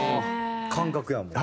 感覚やもう。